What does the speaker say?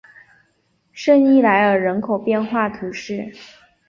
圣伊莱尔人口变化图示